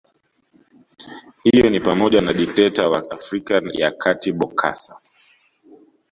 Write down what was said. Hiyo nipamoja na dikteta wa Afrika ya Kati Bokassa